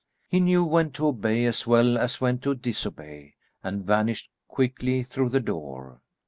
He knew when to obey, as well as when to disobey, and vanished quickly through the door.